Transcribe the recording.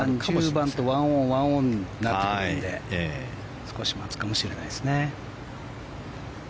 ９番、１０番と１オン、１オンになってくるので少し待つかもしれないですね。